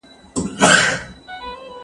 زه به اوږده موده سفر کړی وم!.